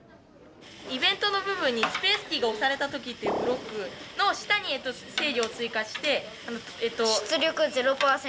イベントの部分にスペースキーが押された時っていうブロックの下に制御を追加して。